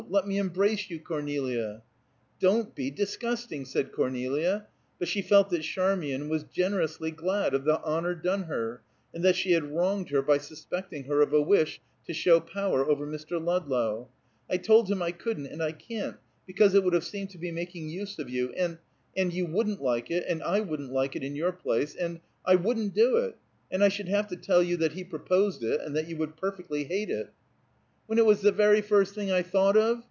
Let me embrace you, Cornelia!" "Don't be disgusting!" said Cornelia, but she felt that Charmian was generously glad of the honor done her, and that she had wronged her by suspecting her of a wish to show power over Mr. Ludlow. "I told him I couldn't, and I can't, because it would have seemed to be making use of you, and and you wouldn't like it, and I wouldn't like it in your place, and I wouldn't do it. And I should have to tell you that he proposed it, and that you would perfectly hate it." "When it was the very first thing I thought of?